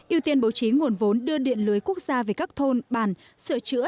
ưu tiên bố trí nguồn vốn đưa điện lưới quốc gia về các thôn bàn sửa chữa